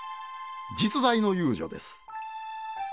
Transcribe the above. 実在の遊女です。